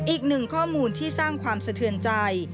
อีกหนึ่งข้อมูลที่สร้างความสะเทือนใจ